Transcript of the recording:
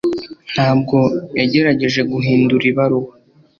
ntabwo yagerageje guhindura ibaruwa